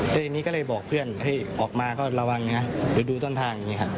แต่ทีนี้ก็เลยบอกเพื่อนให้ออกมาก็ระวังนะเดี๋ยวดูต้นทางอย่างนี้ครับ